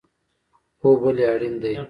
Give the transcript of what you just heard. خوب ولې اړین دی؟